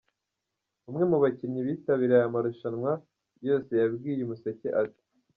Umwe mu bakinnyi bitabiriye aya marushanwa yose yabwiye Umuseke ati